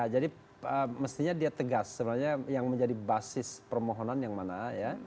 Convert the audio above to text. mestinya dia tegas sebenarnya yang menjadi basis permohonan yang mana ya